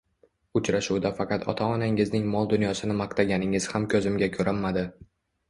Uchrashuvda faqat ota-onangizning mol-dunyosini maqtaganingiz ham ko`zimga ko`rinmadi